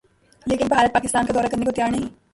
لیکن بھارت پاکستان کا دورہ کرنے کو تیار نہیں